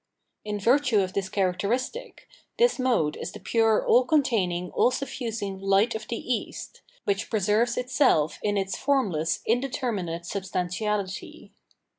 In virtue of this characteristic, this mode is the pure all containing, all suffusing Light of the East, which preserves itself in its formless indeterminate substanti ality.